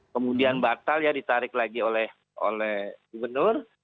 kemudian batal ya ditarik lagi oleh gubernur